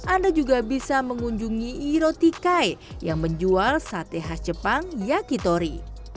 anda juga bisa mengunjungi irotikai yang menjual sate khas jepang yakitori